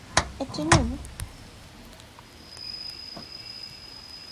jiko lako la kuokea mkate liwe tayariwa viazi lishe